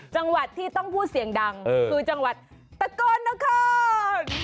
จังหวัดที่ต้องพูดเสียงดังคือจังหวัดตะโกนนคร